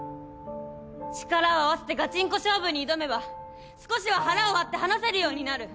力を合わせてガチンコ勝負に挑めば少しは腹を割って話せるようになる。